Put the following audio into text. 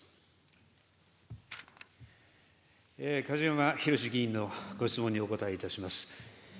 梶山弘志議員のご質問にお答えいたします。